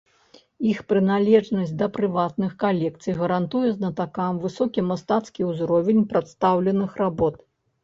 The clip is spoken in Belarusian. Іх прыналежнасць да прыватных калекцый гарантуе знатакам высокі мастацкі ўзровень прадстаўленых работ.